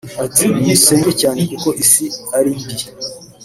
Ati “Nimusenge cyane kuko Isi ari mbi